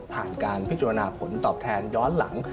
การพิจารณาผลตอบแทนย้อนหลัง